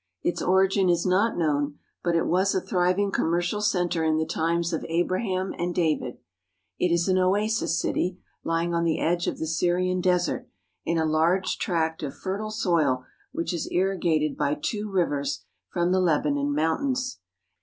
Its origin is not known, but it was a thriving commer cial center in the times of Abraham and David. It is an oasis city, lying on the edge of the Syrian Desert, in a large tract of fertile soil which is irrigated by two rivers Little Turks of the Lebanon Mountains. from the Lebanon Mountains.